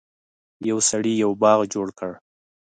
یو سړي یو باغ جوړ کړ.